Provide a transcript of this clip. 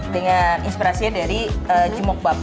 dengan inspirasinya dari jimok bab